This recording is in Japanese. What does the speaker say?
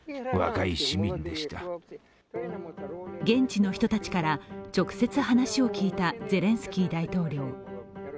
現地の人たちから直接話を聞いたゼレンスキー大統領。